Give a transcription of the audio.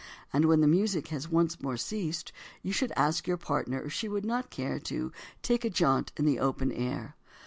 And when the music has once more ceased, you should ask your partner if she would not care to take a jaunt in the open air.